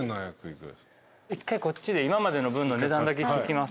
一回こっちで今までの分の値段だけ聞きます。